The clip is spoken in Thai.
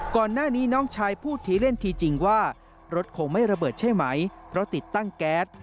ก่อนหน้านี้น้องชายพูดทีเล่นทีจริงว่ารถคงไม่ระเบิดใช่ไหมเพราะติดตั้งแก๊ส